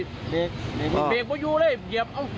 เบรกกูอยู่เลยเหยียบ